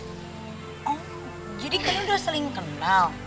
oh jadi kalian udah sering kenal